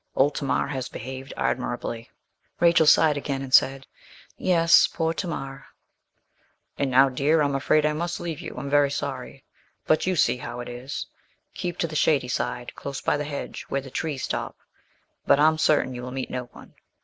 Old Tamar has behaved admirably.' Rachel sighed again and said 'Yes poor Tamar.' 'And now, dear, I'm afraid I must leave you I'm very sorry; but you see how it is; keep to the shady side, close by the hedge, where the trees stop; but I'm certain you will meet no one.